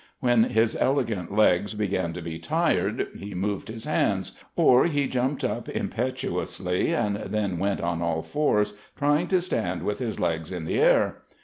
When his elegant legs began to be tired, he moved his hands, or he jumped up impetuously and then went on all fours, trying to stand with his legs in the air.